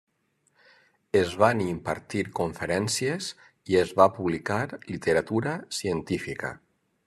Es van impartir conferències i es va publicar literatura científica.